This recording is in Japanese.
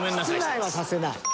室内はさせない。